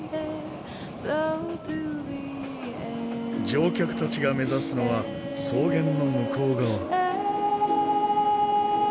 乗客たちが目指すのは草原の向こう側。